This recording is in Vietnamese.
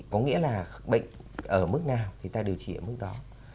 có nghĩa là bệnh ở mức nào thì ta điều trị ở mức đó